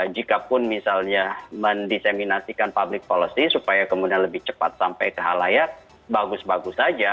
jikapun misalnya mendiseminasikan public policy supaya kemudian lebih cepat sampai ke halayak bagus bagus saja